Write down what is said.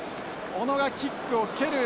小野がキックを蹴る。